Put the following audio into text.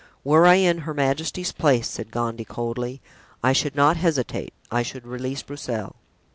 "Were I in her majesty's place," said Gondy, coldly, "I should not hesitate; I should release Broussel."